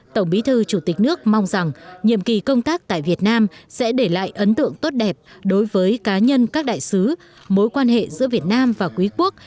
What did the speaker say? tổng bí thư chủ tịch nước mong rằng nhiệm kỳ công tác tại việt nam sẽ để lại ấn tượng tốt đẹp đối với cá nhân các đại sứ mối quan hệ giữa việt nam và quý quốc